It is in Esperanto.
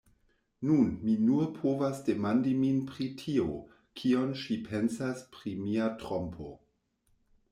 Nun, mi nur povas demandi min pri tio, kion ŝi pensas pri mia trompo.